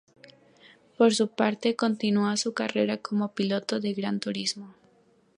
Por su parte, continúa su carrera como pilotos de gran turismos.